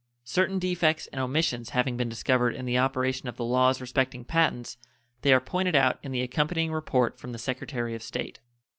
Certain defects and omissions having been discovered in the operation of the laws respecting patents, they are pointed out in the accompanying report from the Secretary of State.